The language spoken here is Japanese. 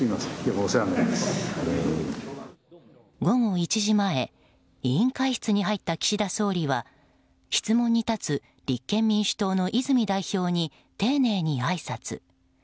午後１時前委員会室に入った岸田総理は質問に立つ立憲民主党の泉代表に丁寧にあいさつ。